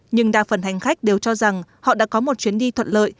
nhưng đa phần hành khách đều cho rằng họ đã có một chuyến đi thuận lợi